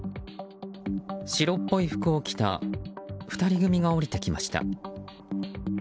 白っぽい服を着た２人組が降りてきました。